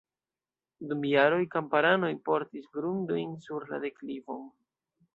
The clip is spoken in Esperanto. Dum jaroj kamparanoj portis grundojn sur la deklivon.